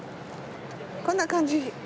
こんな感じ。